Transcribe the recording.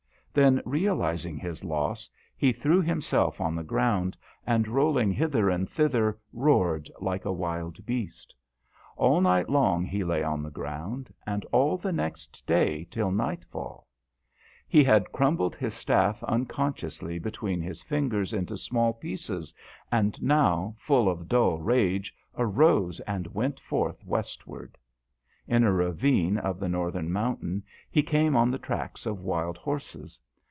Then, realizing his loss, he threw himself on the ground, DHOYA. 193 and rolling hither and thither, roared like a wild beast. All night long he lay on the ground, and all the next day till night fall. He had crumbled his staff unconsciously between his fingers into small pieces, and now, full of dull rage, arose and went forth westward. In a ravine of the northern mountain he came on the tracks of wild horses.